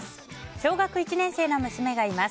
小学１年生の娘がいます。